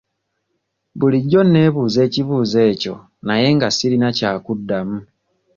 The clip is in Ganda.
Bulijjo neebuuza ekibuuzo ekyo naye nga sirina kya kuddamu.